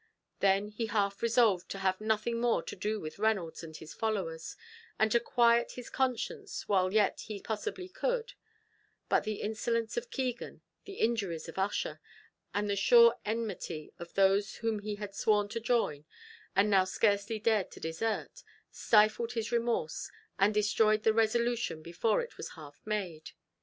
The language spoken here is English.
Then he half resolved to have nothing more to do with Reynolds and his followers, and to quiet his conscience while yet he possibly could; but the insolence of Keegan, the injuries of Ussher, and the sure enmity of those whom he had sworn to join, and now scarcely dared to desert, stifled his remorse, and destroyed the resolution before it was half made.